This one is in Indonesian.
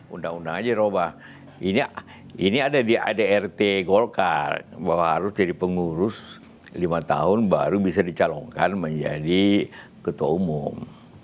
undang undang aja robah ini ada di adrt golkar bahwa harus jadi pengurus lima tahun baru bisa dicalonkan menjadi ketua umum